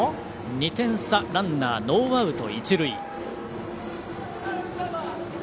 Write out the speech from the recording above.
２点差、ランナーノーアウト、一塁。